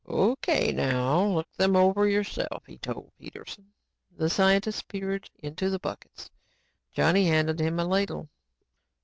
"O.K., now look them over yourself," he told Peterson. The scientist peered into the buckets. Johnny handed him a ladle.